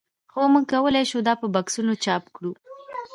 هو موږ کولی شو دا په بکسونو چاپ کړو